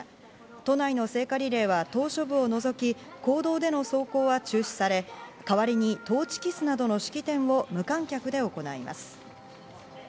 都内の聖火リレーは島しょ部を除き、公道での走行は中止され、かわりにトーチキスなどの式典を無観客で行います。